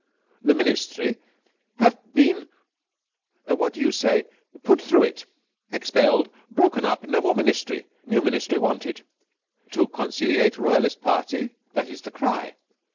The Ministry have been what do you say? put through it. Expelled. Broken up. No more ministry. New ministry wanted. To conciliate royalist party, that is the cry.